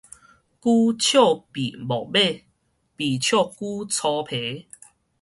龜笑鱉無尾，鱉笑龜粗皮